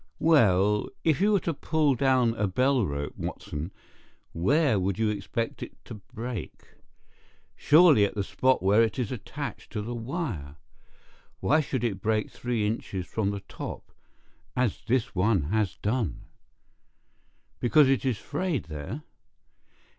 "Well, if you were to pull down a bell rope, Watson, where would you expect it to break? Surely at the spot where it is attached to the wire. Why should it break three inches from the top, as this one has done?" "Because it is frayed there?"